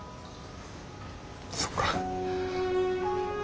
そっか。